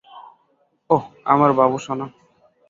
ওহ, আমার বাবুসোনা।